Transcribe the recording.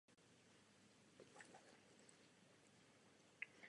Stal se důvěrníkem Sociálně demokratické strany Rakouska.